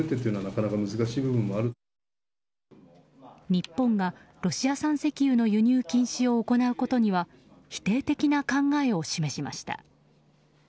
日本がロシア産石油の輸入禁止を行うことには否定的な考えを示しました。